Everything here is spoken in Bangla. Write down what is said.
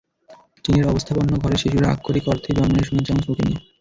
চীনের অবস্থাপন্ন ঘরের শিশুরা আক্ষরিক অর্থেই জন্ম নেয় সোনার চামচ মুখে নিয়ে।